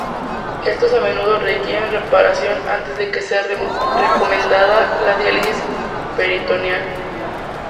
Estos a menudo requieren reparación antes de que sea recomendada la diálisis peritoneal.